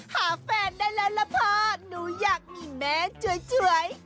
หาแฟนได้แล้วล่ะพ่อหนูอยากมีแม่ช่วย